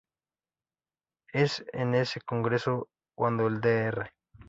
Es en ese Congreso cuando el Dr.